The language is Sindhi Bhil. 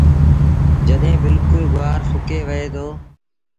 جڏهيݩ بلڪُل گُوآر سُڪي وهي دو۔